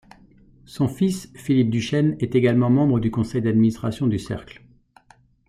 Son fils, Filip Ducheyne, est également membre du conseil d'administration du Cercle.